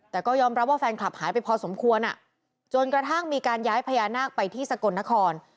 แต่ก็ยอมรับว่าแฟนคลับหายไปพอสมควรจนกระทั่งมีการย้ายพญานาคไปที่สกลนคร